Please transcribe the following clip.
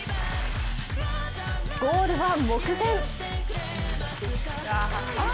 ゴールは目前。